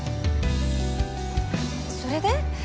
それで？